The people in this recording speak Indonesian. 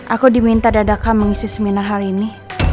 aku diminta dadakan mengisi seminar hal ini